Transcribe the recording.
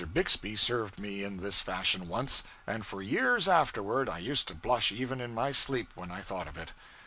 Bixby served me in this fashion once, and for years afterward I used to blush even in my sleep when I thought of it.